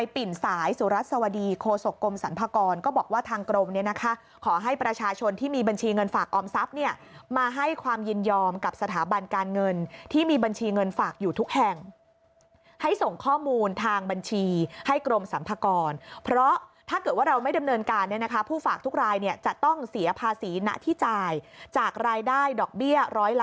ปิ่นสายสุรัสวดีโคศกรมสรรพากรก็บอกว่าทางกรมเนี่ยนะคะขอให้ประชาชนที่มีบัญชีเงินฝากออมทรัพย์เนี่ยมาให้ความยินยอมกับสถาบันการเงินที่มีบัญชีเงินฝากอยู่ทุกแห่งให้ส่งข้อมูลทางบัญชีให้กรมสรรพากรเพราะถ้าเกิดว่าเราไม่ดำเนินการเนี่ยนะคะผู้ฝากทุกรายเนี่ยจะต้องเสียภาษีณที่จ่ายจากรายได้ดอกเบี้ย๑๐๐